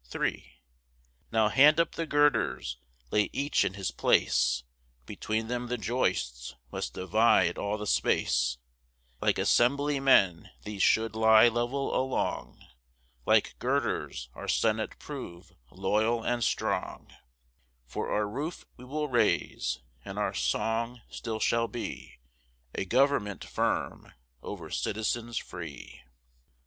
III Now hand up the girders, lay each in his place, Between them the joists, must divide all the space; Like assemblymen these should lie level along, Like girders, our senate prove loyal and strong: For our roof we will raise, and our song still shall be A government firm over citizens free.